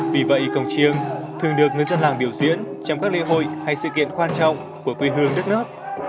vì vậy cổng chiêng thường được người dân làng biểu diễn trong các lễ hội hay sự kiện quan trọng của quê hương đất nước